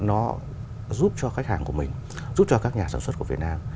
nó giúp cho khách hàng của mình giúp cho các nhà sản xuất của việt nam